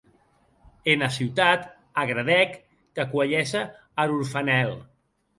Ena ciutat agradèc qu'acuelhesse ar orfanèl.